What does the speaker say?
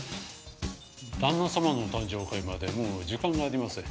旦那様のお誕生会までもう時間がありません。